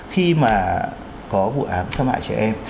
khi mà có vụ án xâm hại trẻ em